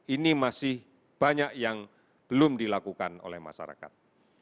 ini masih banyak yang belum dilakukan oleh masyarakat